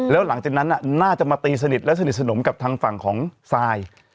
แล้วหลังจากนั้นน่าจะมาตีสนิทและสนิทสนมกับทางฝั่งของซาย